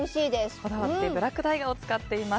こだわってブラックタイガーを使っています。